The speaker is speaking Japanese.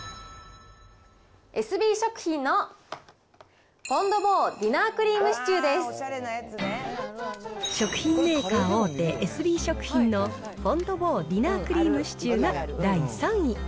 エスビー食品のフォン・ド・ボー・食品メーカー大手、エスビー食品のフォン・ド・ボー・ディナークリームシチューが第３位。